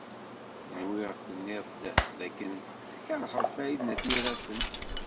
Nwiɣ tenniḍ-d dakken tkeṛheḍ Farid n At Yiraten.